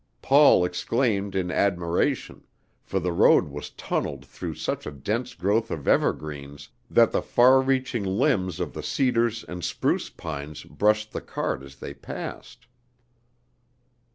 Paul exclaimed in admiration, for the road was tunneled through such a dense growth of evergreens that the far reaching limbs of the cedars and spruce pines brushed the cart as they passed.